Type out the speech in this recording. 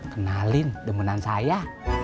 kenalin demenan saya